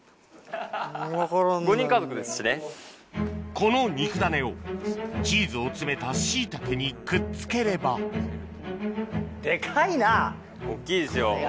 この肉ダネをチーズを詰めた椎茸にくっつければ大っきいですよ。